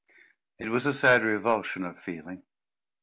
It was a sad revulsion of feeling.